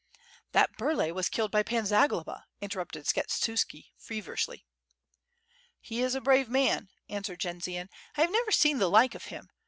"That Burlay was killed by Pan Zagloba," interrupted Skshetuski, feverishly. "He is a brave man," answered Jendzian; "1 have never seen the like of him.